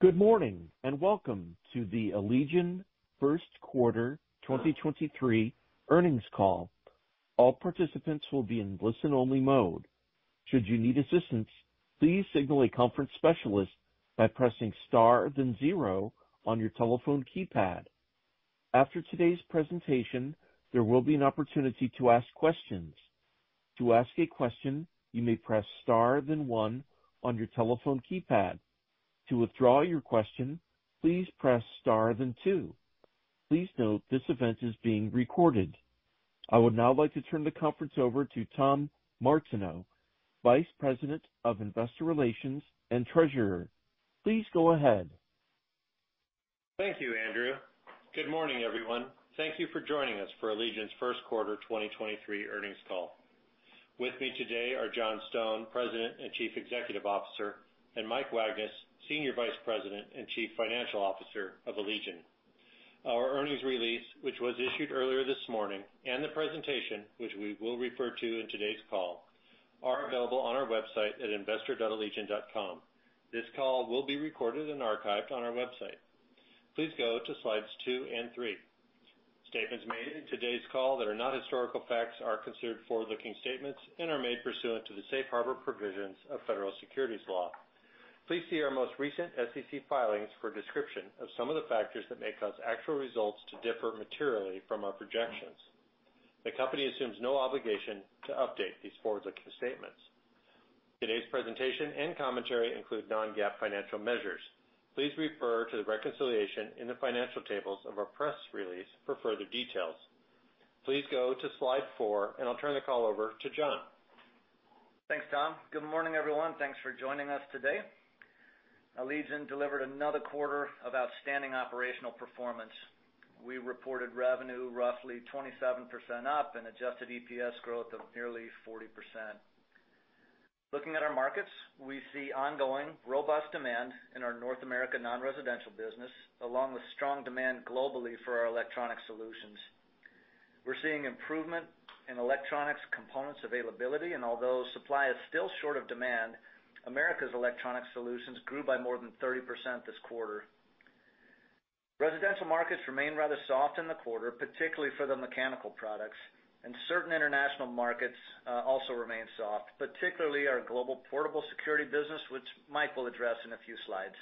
Good morning, and welcome to the Allegion first quarter 2023 earnings call. All participants will be in listen-only mode. Should you need assistance, please signal a conference specialist by pressing Star, then zero on your telephone keypad. After today's presentation, there will be an opportunity to ask questions. To ask a question, you may press Star, then one on your telephone keypad. To withdraw your question, please press Star, then two. Please note this event is being recorded. I would now like to turn the conference over to Tom Martineau, Vice President of Investor Relations and Treasurer. Please go ahead. Thank you, Andrew. Good morning, everyone. Thank you for joining us for Allegion's first quarter 2023 earnings call. With me today are John Stone, President and Chief Executive Officer, and Mike Wagnes, Senior Vice President and Chief Financial Officer of Allegion. Our earnings release, which was issued earlier this morning, and the presentation, which we will refer to in today's call, are available on our website at investor.allegion.com. This call will be recorded and archived on our website. Please go to slides two and three. Statements made in today's call that are not historical facts are considered forward-looking statements and are made pursuant to the safe harbor provisions of federal securities law. Please see our most recent SEC filings for a description of some of the factors that may cause actual results to differ materially from our projections. The company assumes no obligation to update these forward-looking statements. Today's presentation and commentary include non-GAAP financial measures. Please refer to the reconciliation in the financial tables of our press release for further details. Please go to slide four, and I'll turn the call over to John. Thanks, Tom. Good morning, everyone. Thanks for joining us today. Allegion delivered another quarter of outstanding operational performance. We reported revenue roughly 27% up and adjusted EPS growth of nearly 40%. Looking at our markets, we see ongoing robust demand in our North America non-residential business, along with strong demand globally for our electronic solutions. We're seeing improvement in electronics components availability, and although supply is still short of demand, Americas' electronic solutions grew by more than 30% this quarter. Residential markets remain rather soft in the quarter, particularly for the mechanical products, and certain international markets also remain soft, particularly our global portable security business, which Mike will address in a few slides.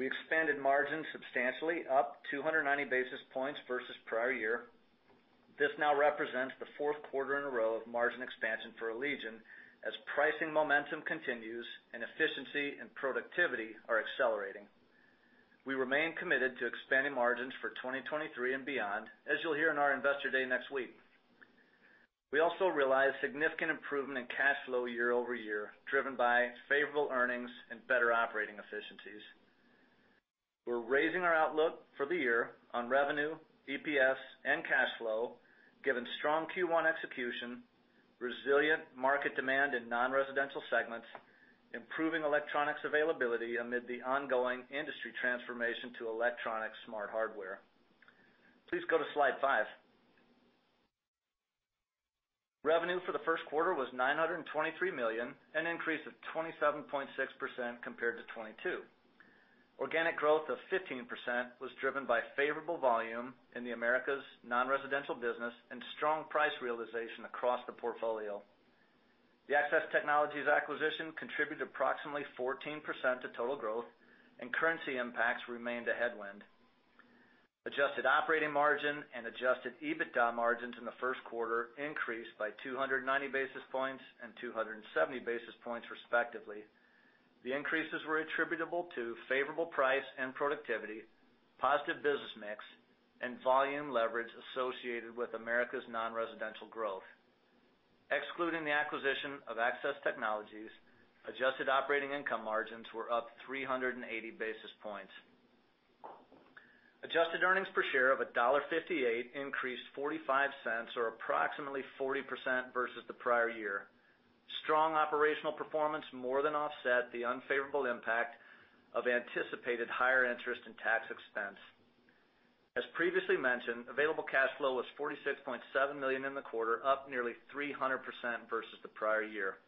We expanded margins substantially, up 290 basis points versus prior year. This now represents the fourth quarter in a row of margin expansion for Allegion as pricing momentum continues and efficiency and productivity are accelerating. We remain committed to expanding margins for 2023 and beyond, as you'll hear in our Investor Day next week. We also realized significant improvement in cash flow year-over-year, driven by favorable earnings and better operating efficiencies. We're raising our outlook for the year on revenue, EPS, and cash flow, given strong Q1 execution, resilient market demand in non-residential segments, improving electronics availability amid the ongoing industry transformation to electronic smart hardware. Please go to slide five. Revenue for the first quarter was $923 million, an increase of 27.6% compared to 2022. Organic growth of 15% was driven by favorable volume in the Americas non-residential business and strong price realization across the portfolio. The Access Technologies acquisition contributed approximately 14% to total growth, currency impacts remained a headwind. Adjusted operating margin and adjusted EBITDA margins in the first quarter increased by 290 basis points and 270 basis points, respectively. The increases were attributable to favorable price and productivity, positive business mix, and volume leverage associated with Americas non-residential growth. Excluding the acquisition of Access Technologies, adjusted operating income margins were up 380 basis points. Adjusted earnings per share of $1.58 increased $0.45 or approximately 40% versus the prior year. Strong operational performance more than offset the unfavorable impact of anticipated higher interest in tax expense. As previously mentioned, available cash flow was $46.7 million in the quarter, up nearly 300% versus the prior year.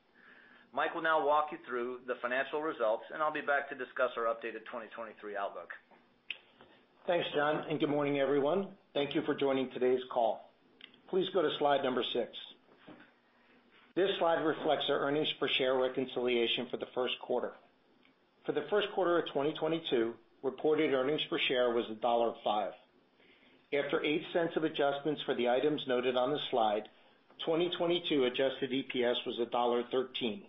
Mike will now walk you through the financial results, and I'll be back to discuss our updated 2023 outlook. Thanks, John. Good morning, everyone. Thank you for joining today's call. Please go to slide number six. This slide reflects our earnings per share reconciliation for the first quarter. For the first quarter of 2022, reported earnings per share was $1.05. After $0.08 of adjustments for the items noted on the slide, 2022 adjusted EPS was $1.13.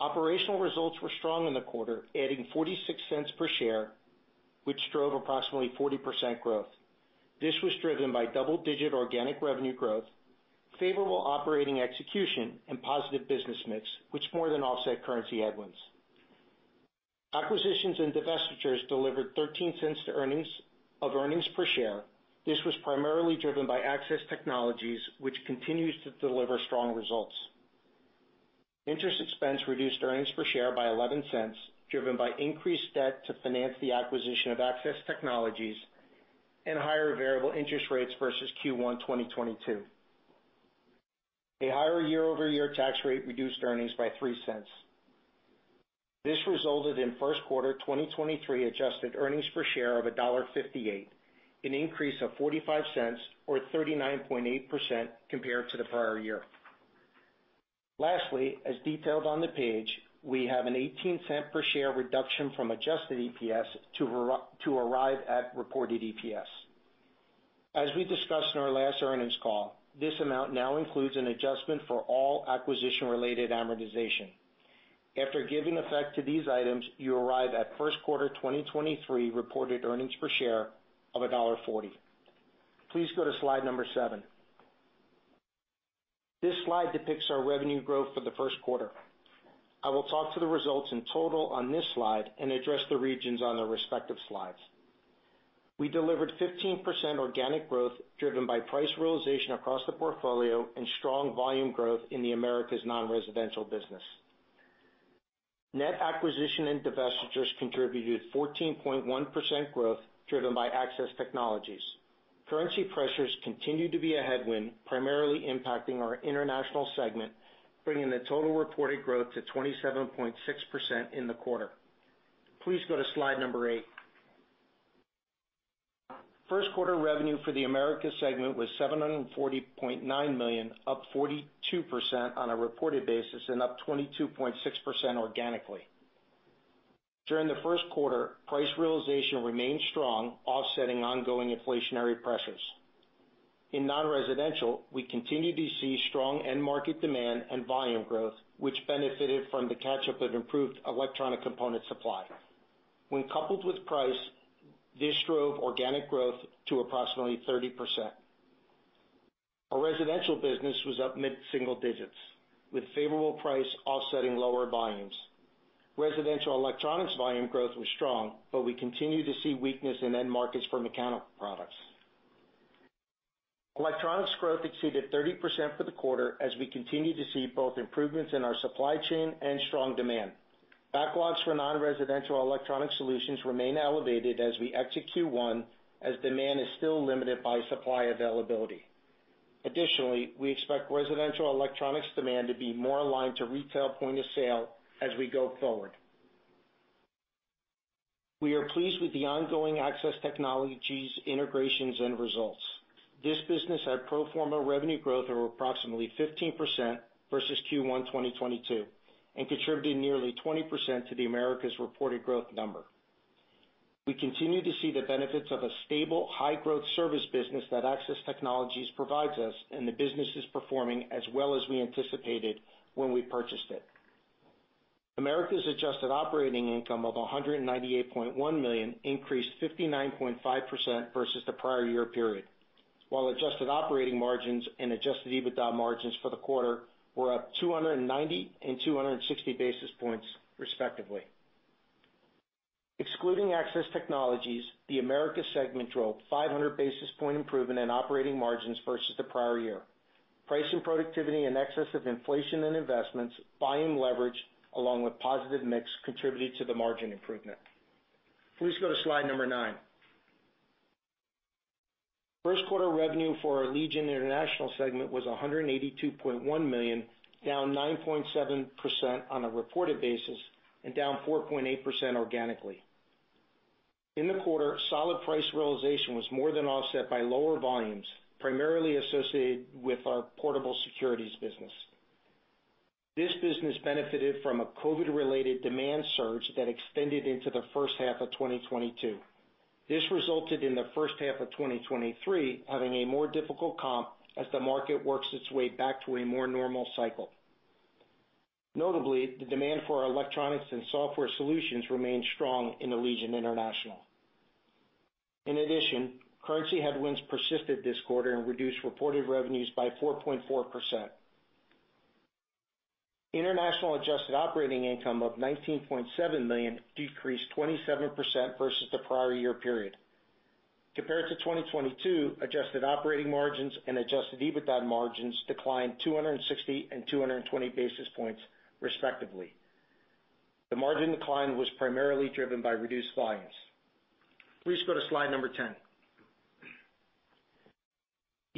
Operational results were strong in the quarter, adding $0.46 per share, which drove approximately 40% growth. This was driven by double-digit organic revenue growth, favorable operating execution, and positive business mix, which more than offset currency headwinds. Acquisitions and divestitures delivered $0.13 of earnings per share. This was primarily driven by Access Technologies, which continues to deliver strong results. Interest expense reduced earnings per share by $0.11, driven by increased debt to finance the acquisition of Access Technologies. Higher variable interest rates versus Q1 2022. A higher year-over-year tax rate reduced earnings by $0.03. This resulted in first quarter 2023 adjusted earnings per share of $1.58, an increase of $0.45 or 39.8% compared to the prior year. Lastly, as detailed on the page, we have an $0.18 per share reduction from adjusted EPS to arrive at reported EPS. As we discussed in our last earnings call, this amount now includes an adjustment for all acquisition-related amortization. After giving effect to these items, you arrive at first quarter 2023 reported earnings per share of $1.40. Please go to slide number seven. This slide depicts our revenue growth for the first quarter. I will talk to the results in total on this slide and address the regions on their respective slides. We delivered 15% organic growth, driven by price realization across the portfolio and strong volume growth in the Americas nonresidential business. Net acquisition and divestitures contributed 14.1% growth, driven by Access Technologies. Currency pressures continued to be a headwind, primarily impacting our international segment, bringing the total reported growth to 27.6% in the quarter. Please go to slide number 8. First quarter revenue for the Americas segment was $740.9 million, up 42% on a reported basis and up 22.6% organically. During the first quarter, price realization remained strong, offsetting ongoing inflationary pressures. In nonresidential, we continued to see strong end market demand and volume growth, which benefited from the catch-up and improved electronic component supply. When coupled with price, this drove organic growth to approximately 30%. Our residential business was up mid-single digits, with favorable price offsetting lower volumes. Residential electronics volume growth was strong, but we continue to see weakness in end markets for mechanical products. Electronics growth exceeded 30% for the quarter as we continue to see both improvements in our supply chain and strong demand. Backlogs for non-residential electronic solutions remain elevated as demand is still limited by supply availability. Additionally, we expect residential electronics demand to be more aligned to retail point of sale as we go forward. We are pleased with the ongoing Access Technologies integrations and results. This business had pro forma revenue growth of approximately 15% versus Q1 2022 and contributing nearly 20% to the Americas reported growth number. We continue to see the benefits of a stable, high-growth service business that Access Technologies provides us, and the business is performing as well as we anticipated when we purchased it. Americas adjusted operating income of $198.1 million increased 59.5% versus the prior year period, while adjusted operating margins and adjusted EBITDA margins for the quarter were up 290 and 260 basis points, respectively. Excluding Access Technologies, the Americas segment drove 500 basis point improvement in operating margins versus the prior year. Price and productivity in excess of inflation and investments, buying leverage along with positive mix contributed to the margin improvement. Please go to slide number nine. First quarter revenue for our Allegion International segment was $182.1 million, down 9.7% on a reported basis and down 4.8% organically. In the quarter, solid price realization was more than offset by lower volumes, primarily associated with our portable security business. This business benefited from a COVID-related demand surge that extended into the first half of 2022. This resulted in the first half of 2023 having a more difficult comp as the market works its way back to a more normal cycle. Notably, the demand for our electronics and software solutions remained strong in the Allegion International. Currency headwinds persisted this quarter and reduced reported revenues by 4.4%. International adjusted operating income of $19.7 million decreased 27% versus the prior year period. Compared to 2022, adjusted operating margins and adjusted EBITDA margins declined 260 and 220 basis points, respectively. The margin decline was primarily driven by reduced volumes. Please go to slide number 10.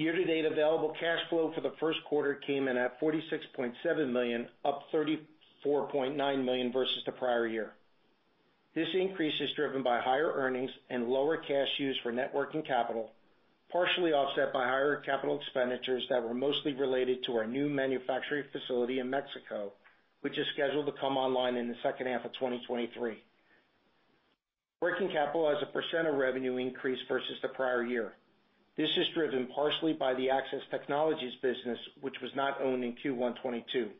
Year-to-date available cash flow for the first quarter came in at $46.7 million, up $34.9 million versus the prior year. This increase is driven by higher earnings and lower cash used for net working capital, partially offset by higher capital expenditures that were mostly related to our new manufacturing facility in Mexico, which is scheduled to come online in the second half of 2023. Working capital as a % of revenue increased versus the prior year. This is driven partially by the Access Technologies business, which was not owned in Q1 2022.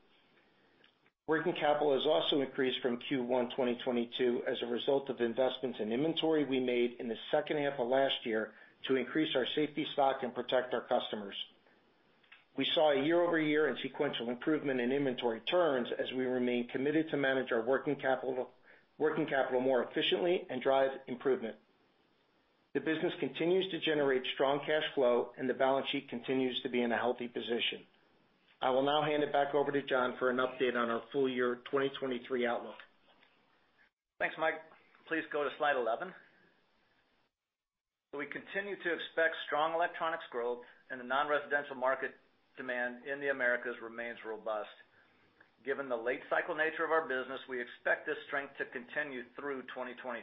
Working capital has also increased from Q1 2022 as a result of investments in inventory we made in the second half of last year to increase our safety stock and protect our customers. We saw a year-over-year and sequential improvement in inventory turns as we remain committed to manage our working capital more efficiently and drive improvement. The business continues to generate strong cash flow, and the balance sheet continues to be in a healthy position. I will now hand it back over to John for an update on our full year 2023 outlook. Thanks, Mike. Please go to slide 11. We continue to expect strong electronics growth and the non-residential market demand in the Americas remains robust. Given the late cycle nature of our business, we expect this strength to continue through 2023.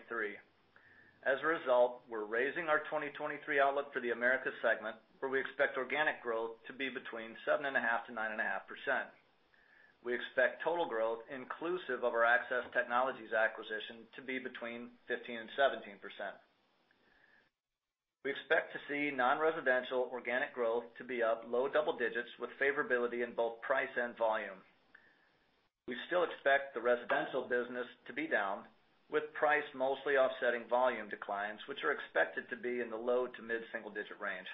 As a result, we're raising our 2023 outlook for the Americas segment, where we expect organic growth to be between 7.5%-9.5%. We expect total growth inclusive of our Access Technologies acquisition to be between 15%-17%. We expect to see non-residential organic growth to be up low double digits with favorability in both price and volume. We still expect the residential business to be down with price mostly offsetting volume declines, which are expected to be in the low to mid-single digit range.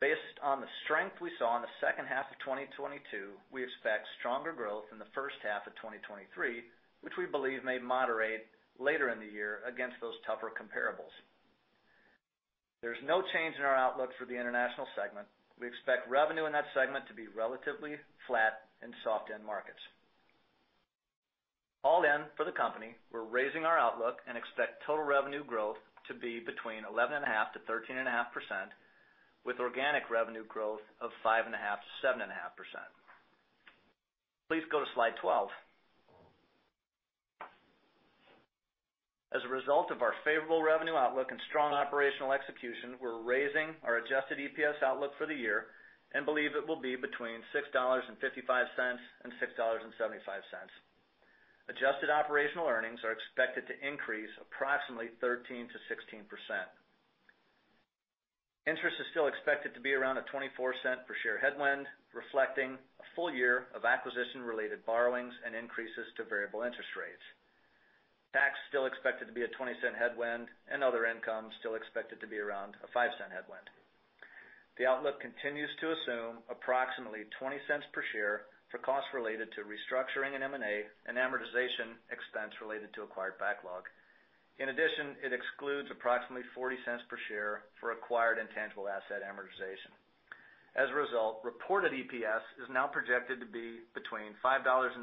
Based on the strength we saw in the second half of 2022, we expect stronger growth in the first half of 2023, which we believe may moderate later in the year against those tougher comparables. There's no change in our outlook for the international segment. We expect revenue in that segment to be relatively flat in soft end markets. All in for the company, we're raising our outlook and expect total revenue growth to be between 11.5%-13.5%, with organic revenue growth of 5.5%-7.5%. Please go to slide 12. As a result of our favorable revenue outlook and strong operational execution, we're raising our adjusted EPS outlook for the year and believe it will be between $6.55 and $6.75. Adjusted operational earnings are expected to increase approximately 13%-16%. Interest is still expected to be around a $0.24 per share headwind, reflecting a full year of acquisition-related borrowings and increases to variable interest rates. Tax still expected to be a $0.20 headwind, other income still expected to be around a $0.05 headwind. The outlook continues to assume approximately $0.20 per share for costs related to restructuring and M&A and amortization expense related to acquired backlog. It excludes approximately $0.40 per share for acquired intangible asset amortization. Reported EPS is now projected to be between $5.95-$6.15.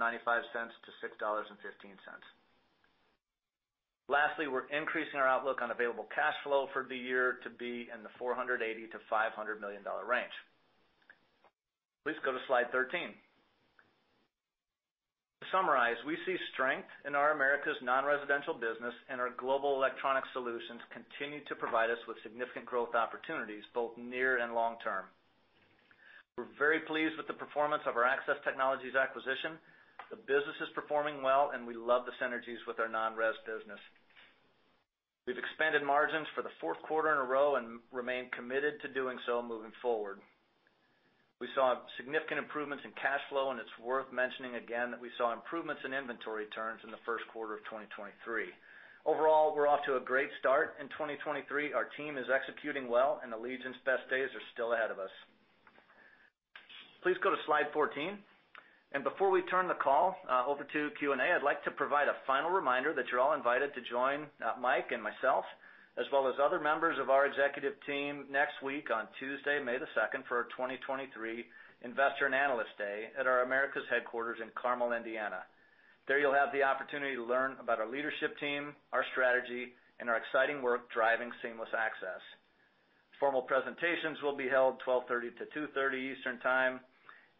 Lastly, we're increasing our outlook on available cash flow for the year to be in the $480 million-$500 million range. Please go to slide 13. To summarize, we see strength in our Americas non-residential business and our global electronic solutions continue to provide us with significant growth opportunities, both near and long term. We're very pleased with the performance of our Access Technologies acquisition. The business is performing well, and we love the synergies with our non-res business. We've expanded margins for the fourth quarter in a row and remain committed to doing so moving forward. We saw significant improvements in cash flow, and it's worth mentioning again that we saw improvements in inventory turns in the first quarter of 2023. Overall, we're off to a great start in 2023. Our team is executing well, and Allegion's best days are still ahead of us. Please go to slide 14. Before we turn the call over to Q&A, I'd like to provide a final reminder that you're all invited to join Mike and myself, as well as other members of our executive team next week on Tuesday, May the 2nd, for our 2023 Investor and Analyst Day at our America's headquarters in Carmel, Indiana. There you'll have the opportunity to learn about our leadership team, our strategy, and our exciting work driving seamless access. Formal presentations will be held 12:30 P.M. to 2:30 P.M. Eastern Time,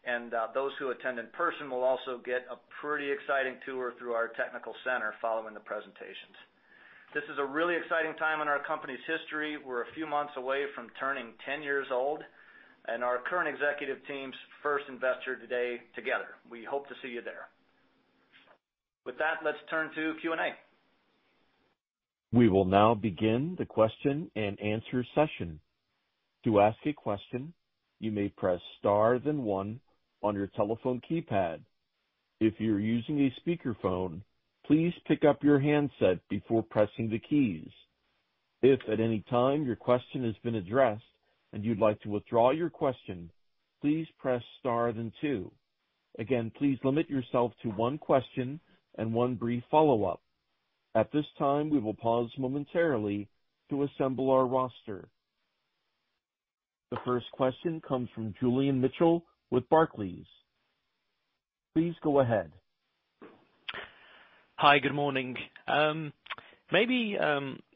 and those who attend in person will also get a pretty exciting tour through our technical center following the presentations. This is a really exciting time in our company's history. We're a few months away from turning 10 years old and our current executive team's first Investor Day together. We hope to see you there. With that, let's turn to Q&A. We will now begin the question-and-answer session. To ask a question, you may press star then one on your telephone keypad. If you're using a speakerphone, please pick up your handset before pressing the keys. If at any time your question has been addressed and you'd like to withdraw your question, please press star than two. Again, please limit yourself to one question and one brief follow-up. At this time, we will pause momentarily to assemble our roster. The first question comes from Julian Mitchell with Barclays. Please go ahead. Hi, good morning. Maybe,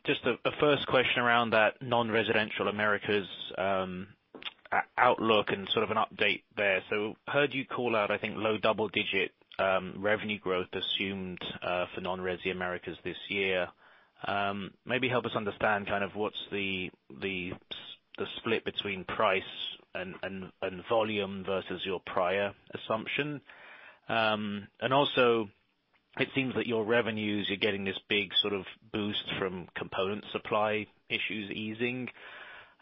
just a first question around that non-residential Americas outlook and sort of an update there. Heard you call out, I think, low double-digit revenue growth assumed for non-resi Americas this year. Maybe help us understand kind of what's the split between price and volume versus your prior assumption. Also it seems that your revenues are getting this big sort of boost from component supply issues easing.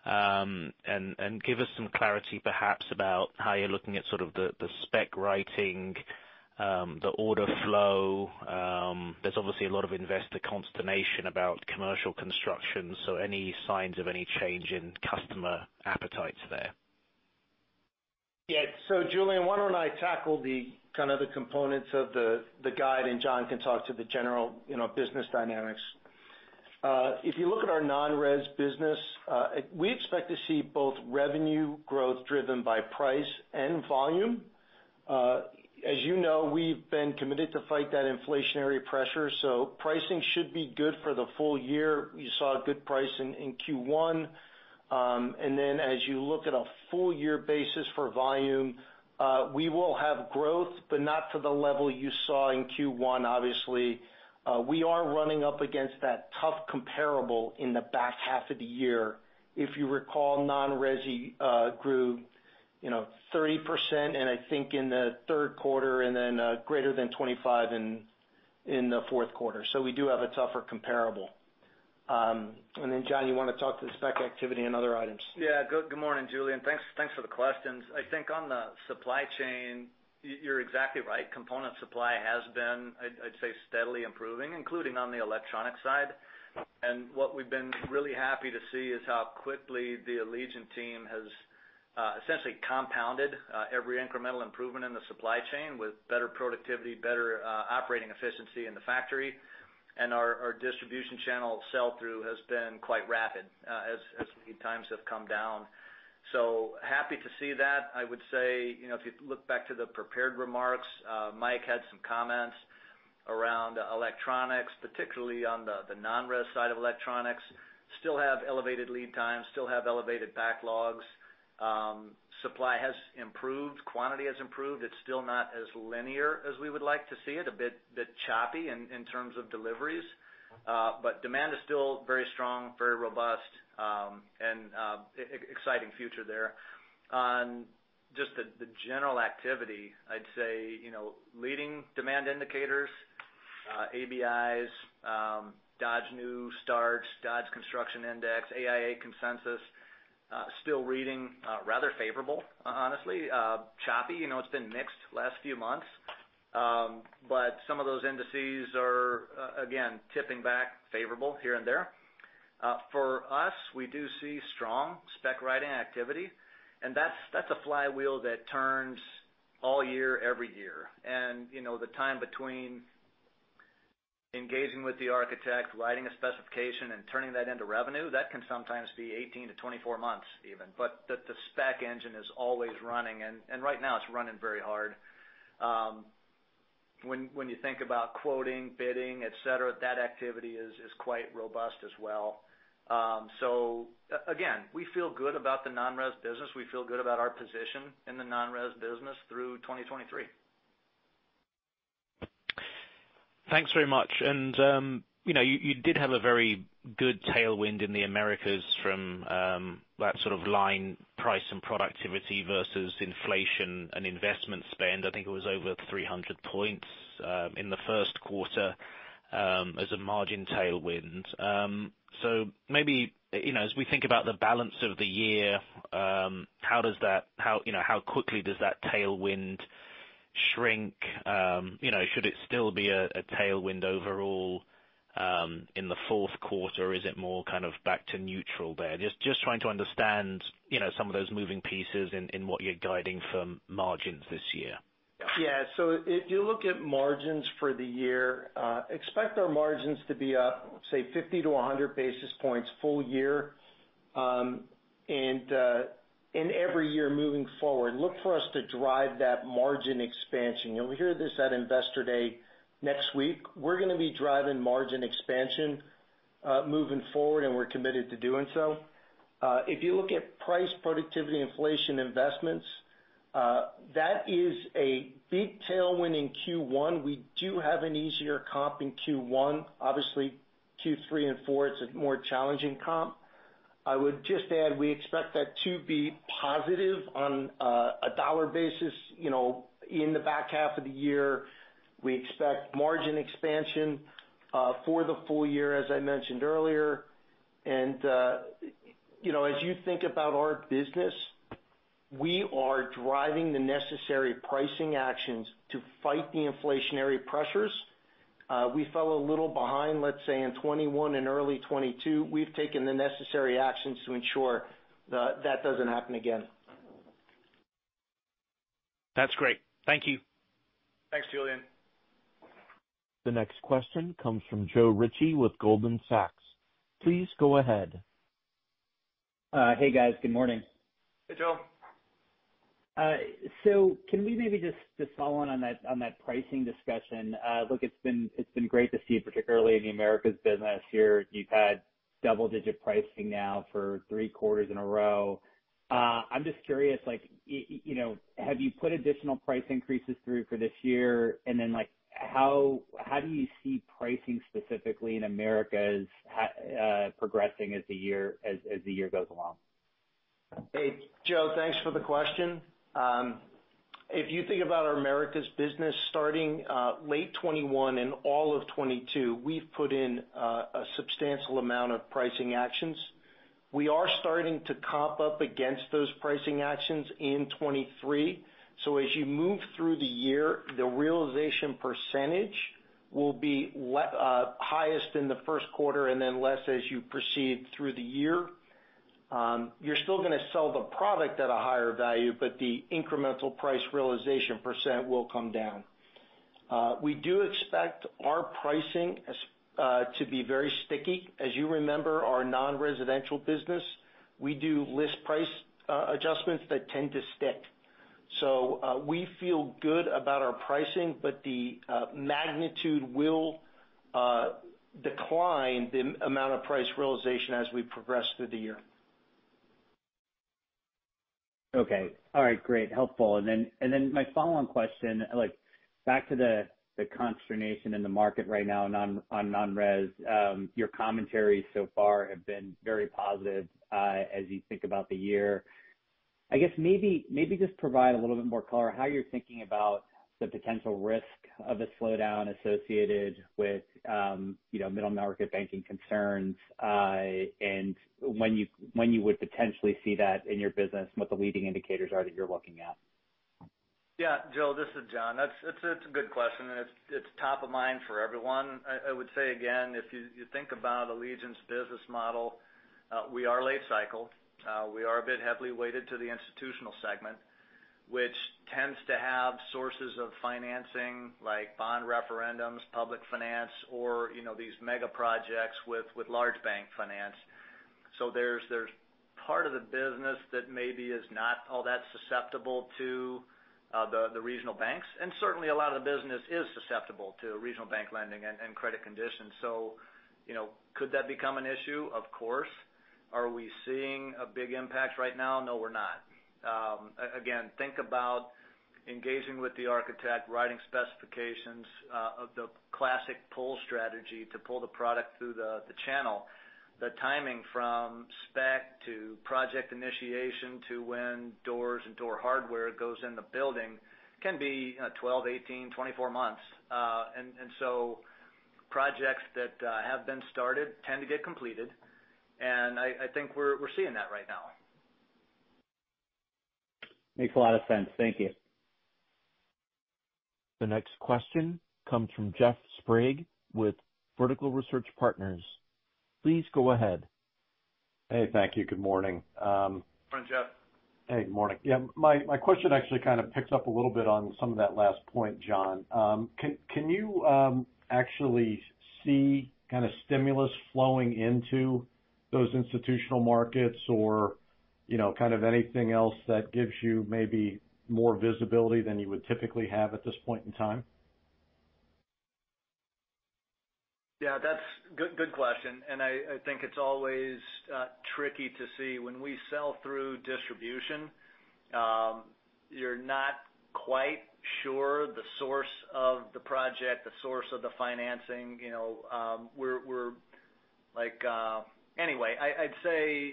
Give us some clarity perhaps about how you're looking at sort of the spec writing, the order flow. There's obviously a lot of investor consternation about commercial construction. Any signs of any change in customer appetites there? Yeah. Julian, why don't I tackle the kind of the components of the guide, and John can talk to the general, you know, business dynamics. If you look at our non-res business, we expect to see both revenue growth driven by price and volume. As you know, we've been committed to fight that inflationary pressure, pricing should be good for the full year. You saw a good price in Q1. As you look at a full-year basis for volume, we will have growth, but not to the level you saw in Q1, obviously. We are running up against that tough comparable in the back half of the year. If you recall, non-res, grew, you know, 30% and I think in the third quarter and then greater than 25% in the fourth quarter. We do have a tougher comparable. John, you wanna talk to the spec activity and other items? Yeah. Good morning, Julian. Thanks for the questions. I think on the supply chain, you're exactly right. Component supply has been, I'd say, steadily improving, including on the electronic side. What we've been really happy to see is how quickly the Allegion team has essentially compounded every incremental improvement in the supply chain with better productivity, better operating efficiency in the factory. Our distribution channel sell-through has been quite rapid as lead times have come down. Happy to see that. I would say, you know, if you look back to the prepared remarks, Mike had some comments around electronics, particularly on the non-res side of electronics. Still have elevated lead times, still have elevated backlogs. Supply has improved, quantity has improved. It's still not as linear as we would like to see it, a bit choppy in terms of deliveries. Demand is still very strong, very robust, and exciting future there. On just the general activity, I'd say, you know, leading demand indicators, ABIs, Dodge new starts, Dodge Construction Index, AIA consensus, still reading rather favorable, honestly. Choppy, you know, it's been mixed last few months. Some of those indices are again, tipping back favorable here and there. For us, we do see strong spec writing activity, that's a flywheel that turns all year, every year. You know, the time between engaging with the architect, writing a specification, and turning that into revenue, that can sometimes be 18-24 months even. The spec engine is always running, and right now it's running very hard. When you think about quoting, bidding, et cetera, that activity is quite robust as well. Again, we feel good about the non-res business. We feel good about our position in the non-res business through 2023. Thanks very much. You know, you did have a very good tailwind in the Americas from that sort of line price and productivity versus inflation and investment spend. I think it was over 300 points in the first quarter as a margin tailwind. Maybe, you know, as we think about the balance of the year, how quickly does that tailwind shrink? You know, should it still be a tailwind overall in the fourth quarter, or is it more kind of back to neutral there? Just trying to understand, you know, some of those moving pieces in what you're guiding from margins this year. If you look at margins for the year, expect our margins to be up, say 50-100 basis points full year. In every year moving forward, look for us to drive that margin expansion. You'll hear this at Investor Day next week. We're gonna be driving margin expansion moving forward, and we're committed to doing so. If you look at price, productivity, inflation investments, that is a big tailwind in Q1. We do have an easier comp in Q1. Obviously, Q3 and 4, it's a more challenging comp. I would just add, we expect that to be positive on a dollar basis. You know, in the back half of the year, we expect margin expansion for the full year, as I mentioned earlier. You know, as you think about our business, we are driving the necessary pricing actions to fight the inflationary pressures. We fell a little behind, let's say in 2021 and early 2022. We've taken the necessary actions to ensure that that doesn't happen again. That's great. Thank you. Thanks, Julian. The next question comes from Joe Ritchie with Goldman Sachs. Please go ahead. Hey, guys. Good morning. Hey, Joe. Can we maybe just follow on that pricing discussion? Look, it's been great to see, particularly in the Americas business here, you've had double-digit pricing now for three quarters in a row. I'm just curious, like, you know, have you put additional price increases through for this year? Like, how do you see pricing specifically in Americas progressing as the year goes along? Hey, Joe, thanks for the question. If you think about our Americas business starting late 2021 and all of 2022, we've put in a substantial amount of pricing actions. We are starting to comp up against those pricing actions in 2023. As you move through the year, the realization % will be highest in the first quarter and then less as you proceed through the year. You're still gonna sell the product at a higher value, but the incremental price realization % will come down. We do expect our pricing to be very sticky. As you remember, our non-residential business, we do list price adjustments that tend to stick. We feel good about our pricing, but the magnitude will decline the amount of price realization as we progress through the year. Okay. All right, great. Helpful. My follow-on question, like back to the consternation in the market right now on non-res. Your commentary so far have been very positive as you think about the year. I guess maybe just provide a little bit more color on how you're thinking about the potential risk of a slowdown associated with, you know, middle market banking concerns, and when you would potentially see that in your business and what the leading indicators are that you're looking at. Joe, this is John. That's a good question, and it's top of mind for everyone. I would say again, if you think about Allegion's business model, we are late cycle. We are a bit heavily weighted to the institutional segment, which tends to have sources of financing like bond referendums, public finance, or, you know, these mega projects with large bank finance. There's part of the business that maybe is not all that susceptible to the regional banks, and certainly a lot of the business is susceptible to regional bank lending and credit conditions. You know, could that become an issue? Of course. Are we seeing a big impact right now? No, we're not. Again, think about engaging with the architect, writing specifications, of the classic pull strategy to pull the product through the channel. The timing from spec to project initiation to when doors and door hardware goes in the building can be 12, 18, 24 months. Projects that have been started tend to get completed, I think we're seeing that right now. Makes a lot of sense. Thank you. The next question comes from Jeff Sprague with Vertical Research Partners. Please go ahead. Hey, thank you. Good morning. Morning, Jeff. Hey, good morning. My question actually kind of picks up a little bit on some of that last point, John. Can you actually see kind of stimulus flowing into those institutional markets or, you know, kind of anything else that gives you maybe more visibility than you would typically have at this point in time? Yeah, that's good question, and I think it's always tricky to see. When we sell through distribution, you're not quite sure the source of the project, the source of the financing, you know, we're like... Anyway, I'd say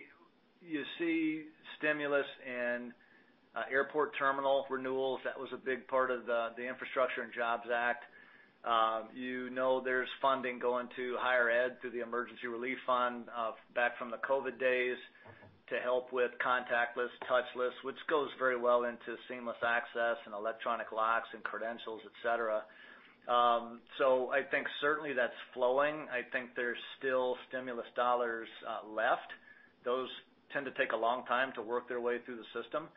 you see stimulus and airport terminal renewals. That was a big part of the Infrastructure and Jobs Act. You know, there's funding going to higher ed through the emergency relief fund back from the COVID days to help with contactless, touchless, which goes very well into seamless access and electronic locks and credentials, et cetera. I think certainly that's flowing. I think there's still stimulus dollars left. Those tend to take a long time to work their way through the system.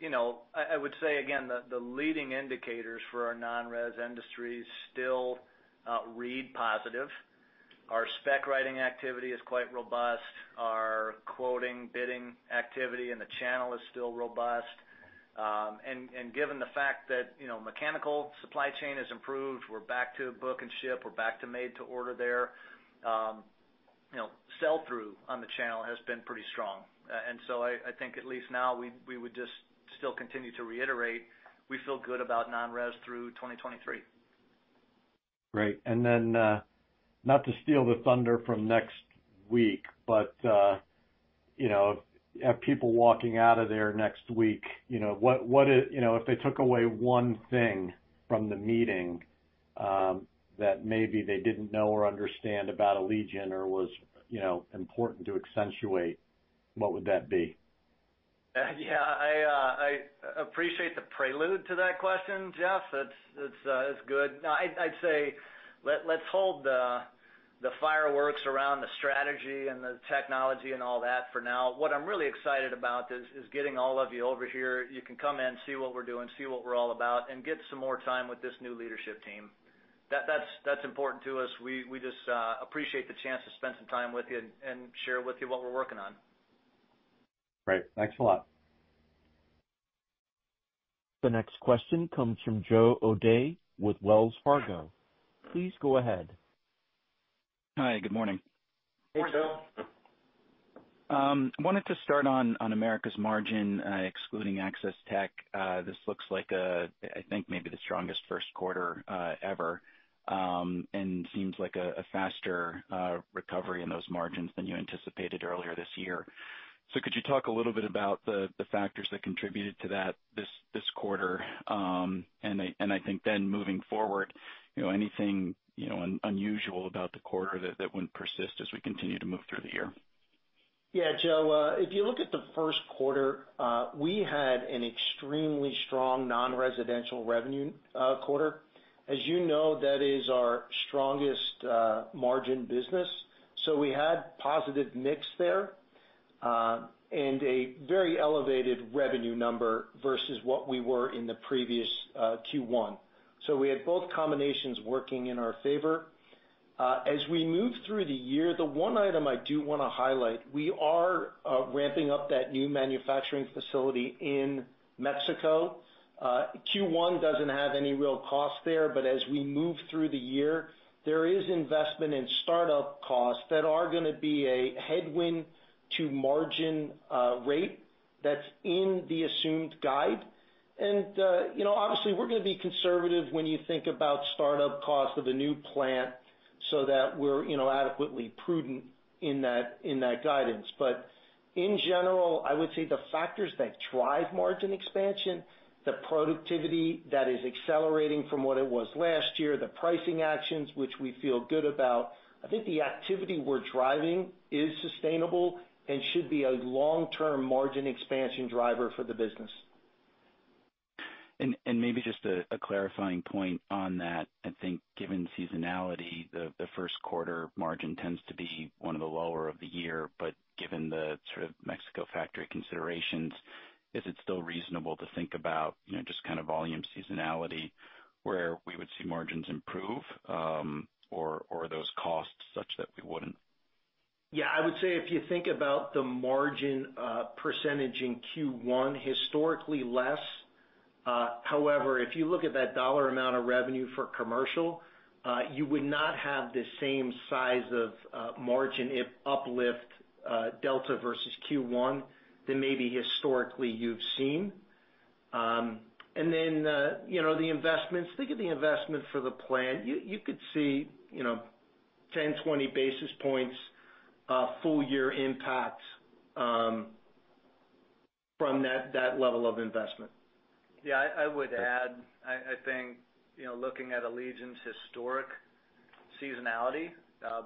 You know, I would say again, the leading indicators for our non-res industries still read positive. Our spec writing activity is quite robust. Our quoting, bidding activity in the channel is still robust. Given the fact that, you know, mechanical supply chain has improved, we're back to book and ship, we're back to made to order there, you know, sell through on the channel has been pretty strong. I think at least now we would just still continue to reiterate we feel good about non-res through 2023. Great. Not to steal the thunder from next week, but, you know, have people walking out of there next week, you know, what is, you know, if they took away one thing from the meeting, that maybe they didn't know or understand about Allegion or was, you know, important to accentuate, what would that be? Yeah, I appreciate the prelude to that question, Jeff. It's good. No, I'd say let's hold the fireworks around the strategy and the technology and all that for now. What I'm really excited about is getting all of you over here. You can come in, see what we're doing, see what we're all about, and get some more time with this new leadership team. That's important to us. We just appreciate the chance to spend some time with you and share with you what we're working on. Great. Thanks a lot. The next question comes from Joe O'Dea with Wells Fargo. Please go ahead. Hi, good morning. Hey, Joe. Wanted to start on Americas margin, excluding Access Technologies. This looks like, I think maybe the strongest first quarter ever, and seems like a faster recovery in those margins than you anticipated earlier this year. Could you talk a little bit about the factors that contributed to that quarter? I think then moving forward, you know, anything, you know, unusual about the quarter that would persist as we continue to move through the year? Yeah, Joe, if you look at the first quarter, we had an extremely strong non-residential revenue quarter. As you know, that is our strongest margin business. We had positive mix there. A very elevated revenue number versus what we were in the previous Q1. We had both combinations working in our favor. As we move through the year, the one item I do wanna highlight, we are ramping up that new manufacturing facility in Mexico. Q1 doesn't have any real cost there, but as we move through the year, there is investment in start-up costs that are gonna be a headwind to margin rate that's in the assumed guide. You know, obviously, we're gonna be conservative when you think about start-up costs of a new plant so that we're, you know, adequately prudent in that, in that guidance. In general, I would say the factors that drive margin expansion, the productivity that is accelerating from what it was last year, the pricing actions which we feel good about, I think the activity we're driving is sustainable and should be a long-term margin expansion driver for the business. Maybe just a clarifying point on that. I think given seasonality, the first quarter margin tends to be one of the lower of the year, but given the sort of Mexico factory considerations, is it still reasonable to think about, you know, just kind of volume seasonality, where we would see margins improve, or those costs such that we wouldn't? Yeah. I would say if you think about the margin percentage in Q1, historically less. However, if you look at that dollar amount of revenue for commercial, you would not have the same size of margin if uplift delta versus Q1 than maybe historically you've seen. You know, the investments. Think of the investment for the plan. You could see, you know, 10, 20 basis points full year impact from that level of investment. Yeah. I would add, I think, you know, looking at Allegion's historic seasonality,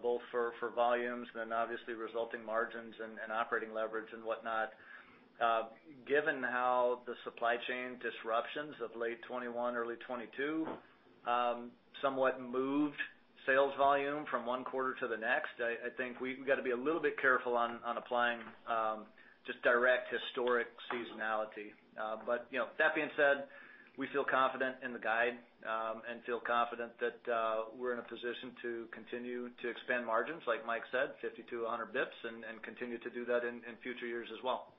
both for volumes and obviously resulting margins and operating leverage and whatnot, given how the supply chain disruptions of late 2021, early 2022, somewhat moved sales volume from one quarter to the next, I think we've gotta be a little bit careful on applying just direct historic seasonality. You know, that being said, we feel confident in the guide, and feel confident that we're in a position to continue to expand margins, like Mike said, 50 to 100 basis points, and continue to do that in future years as well.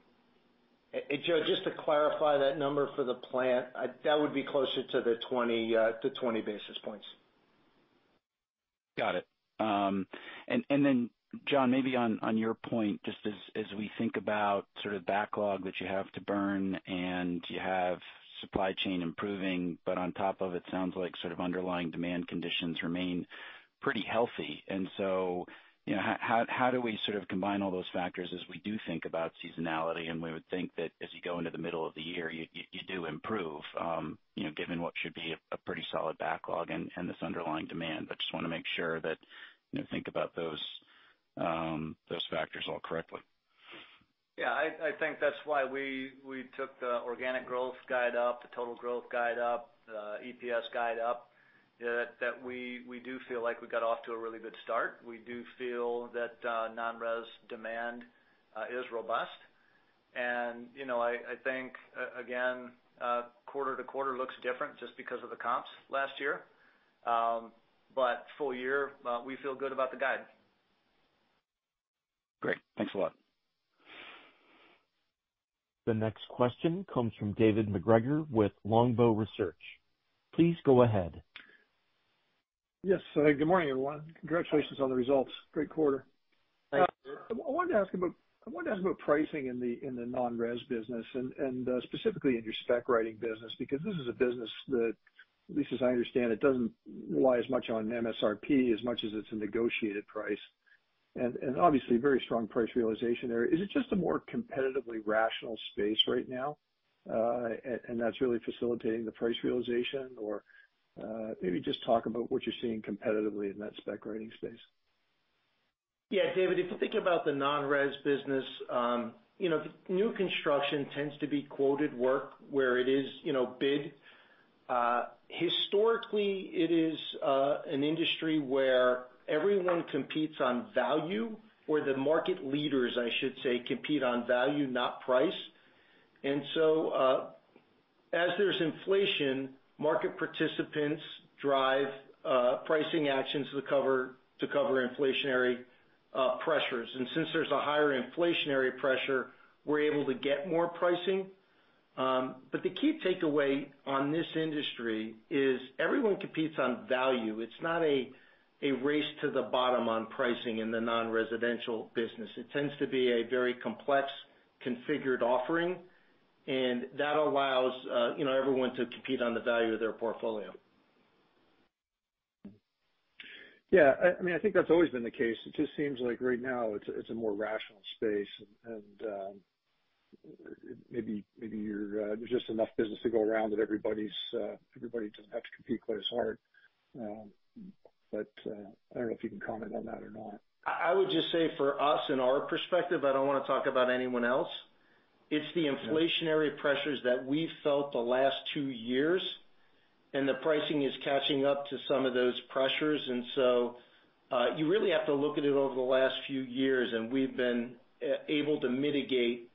Joe, just to clarify that number for the plant, that would be closer to the 20 to 20 basis points. Got it. Then, John, maybe on your point, just as we think about sort of backlog that you have to burn and you have supply chain improving, but on top of it sounds like sort of underlying demand conditions remain pretty healthy. So, you know, how do we sort of combine all those factors as we do think about seasonality, and we would think that as you go into the middle of the year, you do improve, you know, given what should be a pretty solid backlog and this underlying demand. Just wanna make sure that, you know, think about those factors all correctly. Yeah. I think that's why we took the organic growth guide up, the total growth guide up, the EPS guide up, that we do feel like we got off to a really good start. We do feel that non-res demand is robust. You know, I think again, quarter to quarter looks different just because of the comps last year. Full year, we feel good about the guide. Great. Thanks a lot. The next question comes from David MacGregor with Longbow Research. Please go ahead. Yes. Good morning, everyone. Congratulations on the results. Great quarter. Thank you. I wanted to ask about pricing in the non-res business and specifically in your spec writing business, because this is a business that, at least as I understand, it doesn't rely as much on MSRP as much as it's a negotiated price. Obviously, very strong price realization there. Is it just a more competitively rational space right now, and that's really facilitating the price realization? Or maybe just talk about what you're seeing competitively in that spec writing space. Yeah, David, if you think about the non-res business, you know, new construction tends to be quoted work where it is, you know, bid. Historically, it is an industry where everyone competes on value or the market leaders, I should say, compete on value, not price. As there's inflation, market participants drive pricing actions to cover, to cover inflationary pressures. Since there's a higher inflationary pressure, we're able to get more pricing. The key takeaway on this industry is everyone competes on value. It's not a race to the bottom on pricing in the non-residential business. It tends to be a very complex configured offering, and that allows, you know, everyone to compete on the value of their portfolio. Yeah. I mean, I think that's always been the case. It just seems like right now it's a more rational space and maybe you're there's just enough business to go around that everybody doesn't have to compete quite as hard. I don't know if you can comment on that or not. I would just say for us in our perspective, I don't wanna talk about anyone else. It's the inflationary pressures that we felt the last two years The pricing is catching up to some of those pressures. You really have to look at it over the last few years, and we've been able to mitigate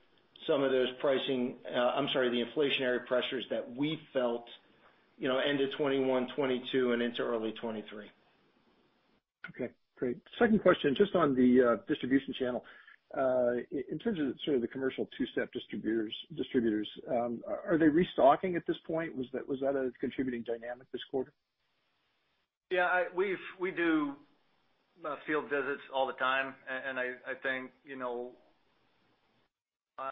some of those inflationary pressures that we felt, you know, end of 2021, 2022, and into early 2023. Okay, great. Second question, just on the distribution channel. In terms of sort of the commercial two-step distributors, are they restocking at this point? Was that a contributing dynamic this quarter? Yeah, we do field visits all the time. I think, you know,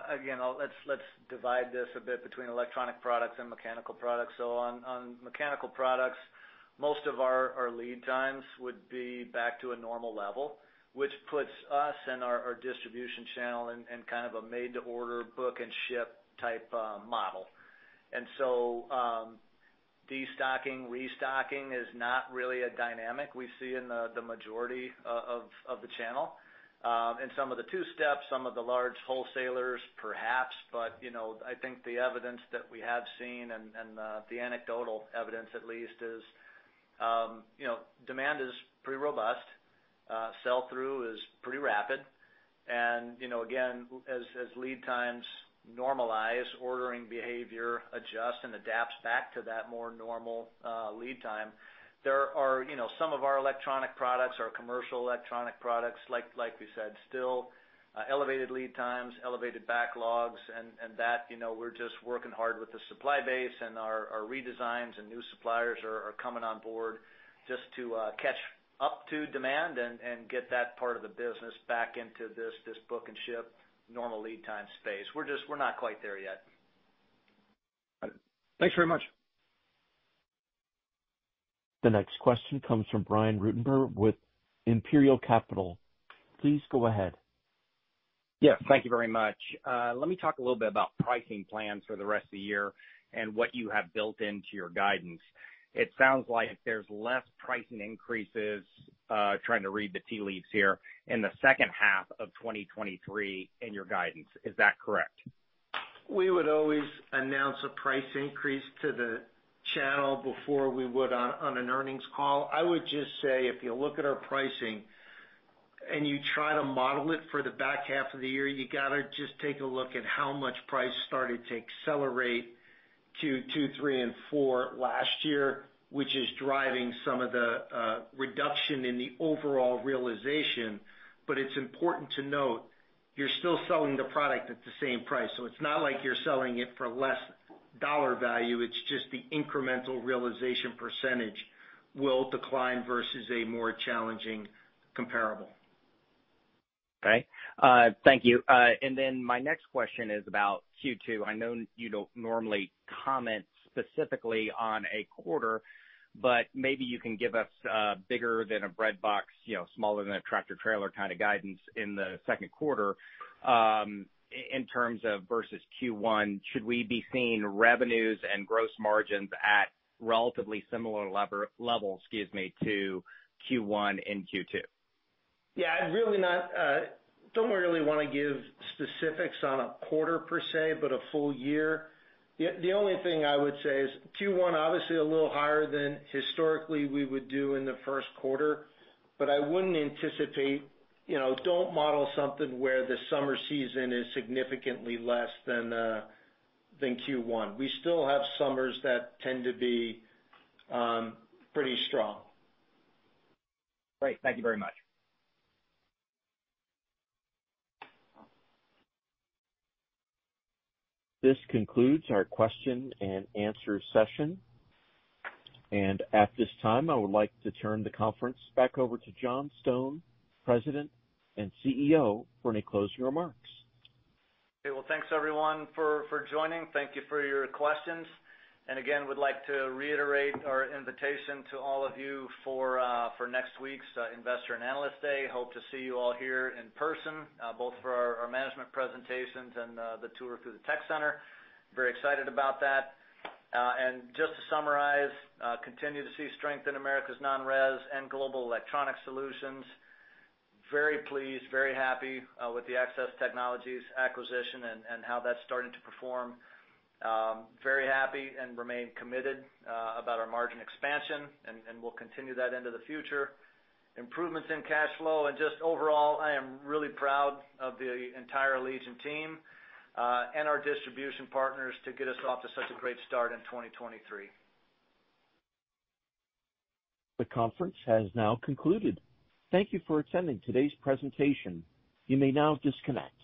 again, let's divide this a bit between electronic products and mechanical products. On mechanical products, most of our lead times would be back to a normal level, which puts us and our distribution channel in kind of a made-to-order book and ship type model. Destocking, restocking is not really a dynamic we see in the majority of the channel. In some of the two-steps, some of the large wholesalers, perhaps. You know, I think the evidence that we have seen and the anecdotal evidence at least is, you know, demand is pretty robust. Sell through is pretty rapid. You know, again, as lead times normalize, ordering behavior adjusts and adapts back to that more normal lead time. There are, you know, some of our electronic products, our commercial electronic products, like we said, still elevated lead times, elevated backlogs, and that, you know, we're just working hard with the supply base and our redesigns and new suppliers are coming on board just to catch up to demand and get that part of the business back into this book and ship normal lead time space. We're not quite there yet. Thanks very much. The next question comes from Brian Ruttenbur with Imperial Capital. Please go ahead. Yeah, thank you very much. Let me talk a little bit about pricing plans for the rest of the year and what you have built into your guidance. It sounds like there's less price increases, trying to read the tea leaves here, in the second half of 2023 in your guidance. Is that correct? We would always announce a price increase to the channel before we would on an earnings call. I would just say, if you look at our pricing and you try to model it for the back half of the year, you gotta just take a look at how much price started to accelerate to two, three, and four last year, which is driving some of the reduction in the overall realization. It's important to note, you're still selling the product at the same price. It's not like you're selling it for less dollar value, it's just the incremental realization percentage will decline versus a more challenging comparable. Thank you. My next question is about Q2. I know you don't normally comment specifically on a quarter, but maybe you can give us, bigger than a breadbox, you know, smaller than a tractor trailer kind of guidance in the second quarter, in terms of versus Q1, should we be seeing revenues and gross margins at relatively similar levels, excuse me, to Q1 and Q2? Yeah. I'd really not, don't really wanna give specifics on a quarter per se, but a full year. The only thing I would say is Q1, obviously a little higher than historically we would do in the first quarter, but I wouldn't anticipate, you know, don't model something where the summer season is significantly less than than Q1. We still have summers that tend to be pretty strong. Great. Thank you very much. This concludes our question and answer session. At this time, I would like to turn the conference back over to John Stone, President and CEO, for any closing remarks. Okay. Well, thanks everyone for joining. Thank you for your questions. Again, would like to reiterate our invitation to all of you for next week's Investor and Analyst Day. Hope to see you all here in person, both for our management presentations and the tour through the tech center. Very excited about that. Just to summarize, continue to see strength in Americas' non-res and global electronic solutions. Very pleased, very happy with the Access Technologies acquisition and how that's starting to perform. Very happy and remain committed about our margin expansion, and we'll continue that into the future. Improvements in cash flow and just overall, I am really proud of the entire Allegion team and our distribution partners to get us off to such a great start in 2023. The conference has now concluded. Thank you for attending today's presentation. You may now disconnect.